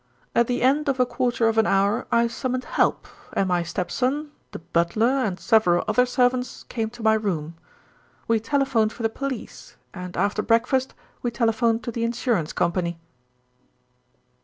"At the end of a quarter of an hour I summoned help, and my stepson, the butler, and several other servants came to my room. We telephoned for the police, and after breakfast we telephoned to the insurance company."